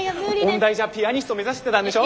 音大じゃピアニスト目指してたんでしょ。